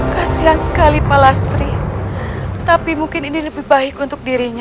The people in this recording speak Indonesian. kasian sekali pak lasri tapi mungkin ini lebih baik untuk dirinya